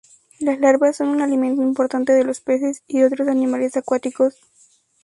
Las larvas son un alimento importante de los peces y de otros animales acuáticos.